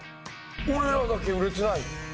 俺らだけ売れてない。